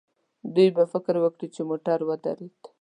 دوی به فکر وکړي چې موټر ودرېد.